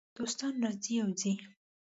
دوستان راځي او ځي .